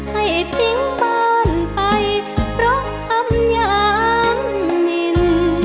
ให้ทิ้งบ้านไปเพราะทำอย่างมิน